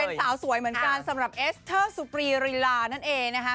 เป็นสาวสวยเหมือนกันสำหรับเอสเตอร์สุปรีริลานั่นเองนะคะ